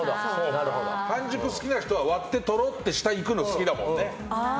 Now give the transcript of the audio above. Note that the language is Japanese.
半熟好きな人は割って、とろっていくのが好きだもんね。